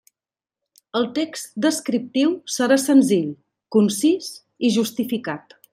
El text descriptiu serà senzill, concís i justificat.